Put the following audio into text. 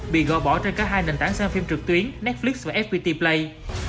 bị gò bỏ trên cả hai nền tảng sang phim trực tuyến netflix và fpt play